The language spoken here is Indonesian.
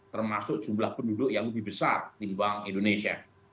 termasuk jumlah penduduk yang lebih besar dibanding indonesia